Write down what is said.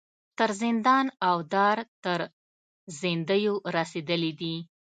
تر زندان او دار تر زندیو رسېدلي دي.